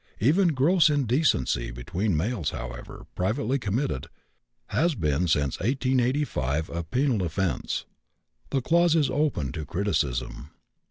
Even "gross indecency" between males, however privately committed, has been since 1885 a penal offense. The clause is open to criticism.